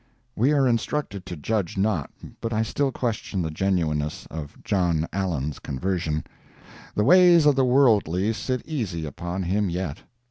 We are instructed to judge not, but I still question the genuineness of Jno. Allen's conversion. The ways of the worldly sit easy upon him yet.